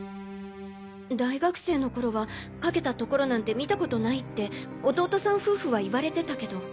大学生の頃はかけたところなんて見たことないって弟さん夫婦は言われてたけど。